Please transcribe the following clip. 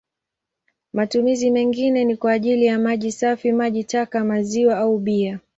Matumizi mengine ni kwa ajili ya maji safi, maji taka, maziwa au bia.